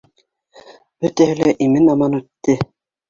Бөтәһе лә имен-аман үтте!